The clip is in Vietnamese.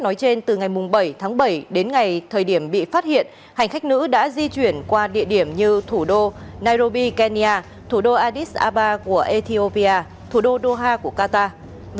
nói trên từ ngày bảy tháng bảy đến ngày thời điểm bị phát hiện hành khách nữ đã di chuyển qua địa điểm như thủ đô nairobi kenya thủ đô addis aba của ethiopia thủ đô doha của qatar